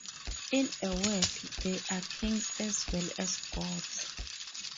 In a word, they are kings as well as gods.